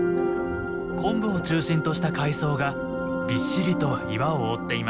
コンブを中心とした海藻がびっしりと岩を覆っています。